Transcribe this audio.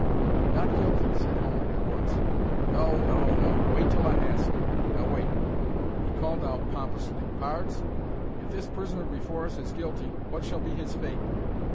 "Not guilty," said Homer, at once. "No, no, no. Wait till I ask you. Now wait." He called out, pompously, "Pards, if this prisoner before us is guilty, what shall be his fate?"